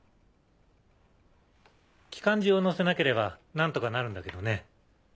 機関銃を載せなければ何とかなるんだけどね。